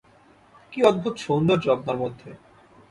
কি অদ্ভুত সৌন্দর্য আপনার মধ্যে!